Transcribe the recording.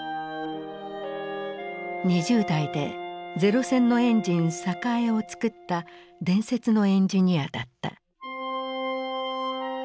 ２０代で零戦のエンジン栄をつくった伝説のエンジニアだった。